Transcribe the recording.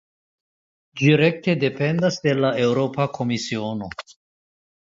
Ĝi rekte dependas de la Eŭropa Komisiono.